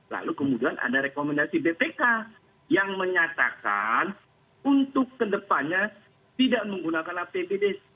lalu kemudian ada rekomendasi bpk yang menyatakan untuk kedepannya tidak menggunakan apbd